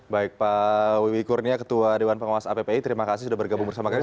baik pak wiwi kurnia ketua dewan pengawas appi terima kasih sudah bergabung bersama kami